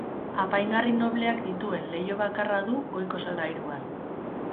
Apaingarri nobleak dituen leiho bakarra du, goiko solairuan.